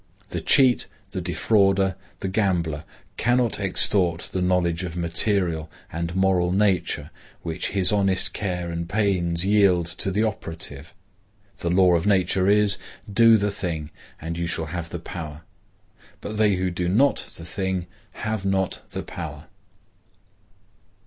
The cheat, the defaulter, the gambler, cannot extort the knowledge of material and moral nature which his honest care and pains yield to the operative. The law of nature is, Do the thing, and you shall have the Power; but they who do not the thing have not the power.